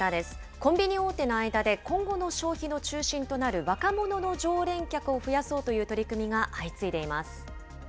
コンビニ大手の間で、今後の消費の中心となる若者の常連客を増やそうという取り組みが相次いでいます。